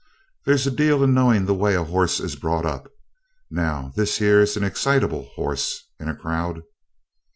There's a deal in knowing the way horses is brought up. Now this here's an excitable hoss in a crowd.'